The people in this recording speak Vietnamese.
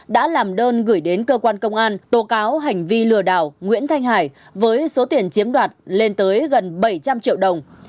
đã làm đơn gửi đến cơ quan công an tố cáo hành vi lừa đảo nguyễn thanh hải với số tiền chiếm đoạt lên tới gần bảy trăm linh triệu đồng